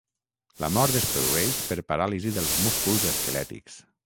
La mort es produeix per paràlisi dels músculs esquelètics.